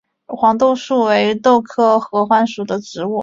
黄豆树是豆科合欢属的植物。